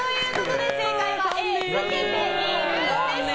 正解はＡ、着けているでした。